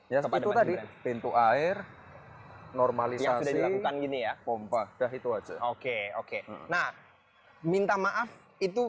ya seperti itu tadi pintu air normalisasi dilakukan gini ya pompa dah itu aja oke oke nah minta maaf itu